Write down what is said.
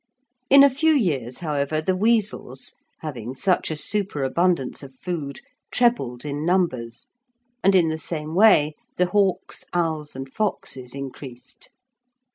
In a few years, however, the weasels, having such a superabundance of food, trebled in numbers, and in the same way the hawks, owls, and foxes increased.